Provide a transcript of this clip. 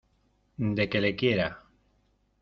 de que le quiera.